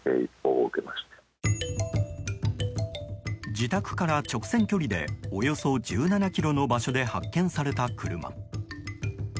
自宅から直線距離でおよそ１７ｋｍの場所で発見された車。